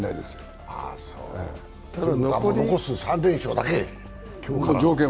残す３連勝だけ？